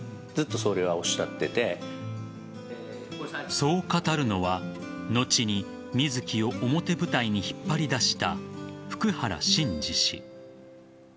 そう語るのは後に水木を表舞台に引っ張り出した福原伸治氏。